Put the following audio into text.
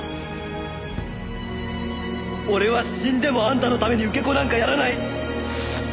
俺は死んでもあんたのために受け子なんかやらない！